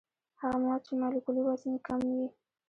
هغه مواد چې مالیکولي وزن یې کم وي.